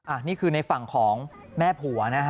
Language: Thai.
อ้ะนี้คือในฝั่งของแม่ผัว